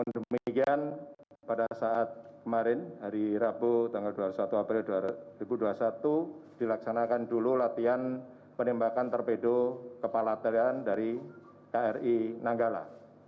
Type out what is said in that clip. demikian pada saat kemarin hari rabu tanggal dua puluh satu april dua ribu dua puluh satu dilaksanakan dulu latihan penembakan torpedo kepala tarian dari kri nanggala